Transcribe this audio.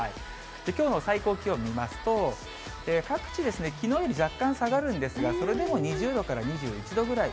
きょうの最高気温見ますと、各地、きのうより若干下がるんですが、それでも２０度から２１度くらい。